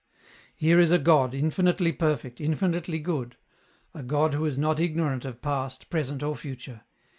" Here is a God, infinitely perfect, infinitely good, a God who is not ignorant of past, present, or future.